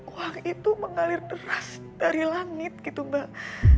uang itu mengalir deras dari langit gitu mbak